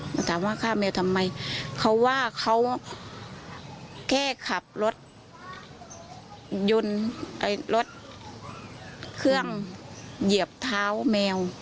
มาถามว่าฆ่าแมวทำไมเขาว่าเขาแค่ขับรถยนต์รถเครื่องเหยียบเท้าแมว